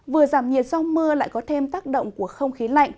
vừa giảm nhiệt do mưa lại có thêm tác động của không khí lạnh